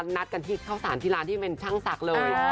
นัดกันที่ข้าวสารที่ร้านที่เป็นช่างศักดิ์เลย